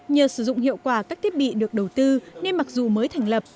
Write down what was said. nhờ sử dụng hiệu quả các thiết bị được đầu tư nên mặc dù mới thành lập